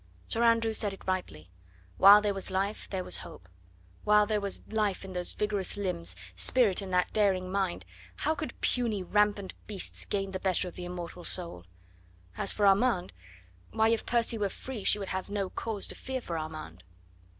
Sir Andrew said it rightly; while there was life there was hope. While there was life in those vigorous limbs, spirit in that daring mind, how could puny, rampant beasts gain the better of the immortal soul? As for Armand why, if Percy were free she would have no cause to fear for Armand.